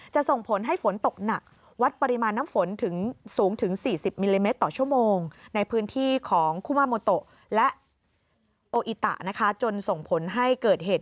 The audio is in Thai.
จะส่งผลให้ฝนตกหนัก